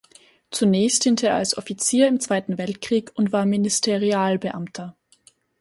Zunächst diente er als Offizier im Zweiten Weltkrieg und war Ministerialbeamter.